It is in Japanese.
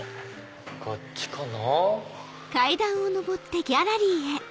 こっちかな。